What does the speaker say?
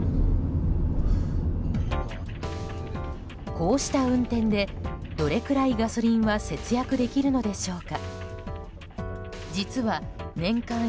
こうした運転でどれくらいガソリンは節約できるのでしょうか。